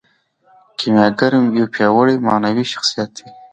کیمیاګر یو پیاوړی معنوي شخصیت دی.